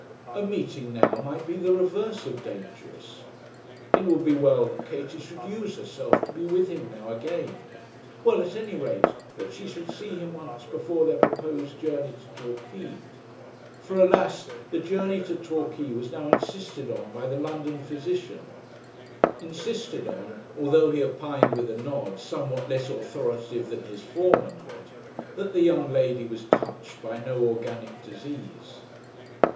A meeting now might be the reverse of dangerous. It would be well that Katie should use herself to be with him now again; well, at any rate, that she should see him once before their proposed journey to Torquay; for, alas, the journey to Torquay was now insisted on by the London physician insisted on, although he opined with a nod, somewhat less authoritative than his former nod, that the young lady was touched by no organic disease.